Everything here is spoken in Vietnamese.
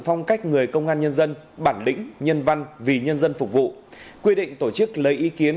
phong cách người công an nhân dân bản lĩnh nhân văn vì nhân dân phục vụ quy định tổ chức lấy ý kiến